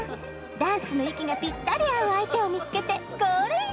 ダンスの息がぴったり合う相手を見つけて「ゴールイン」